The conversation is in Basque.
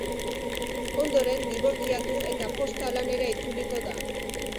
Ondoren dibortziatu eta posta lanera itzuliko da.